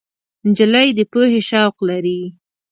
نجلۍ د پوهې شوق لري.